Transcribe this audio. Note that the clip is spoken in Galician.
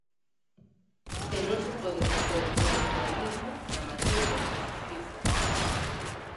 E non se pode facer electoralismo na materia de xustiza.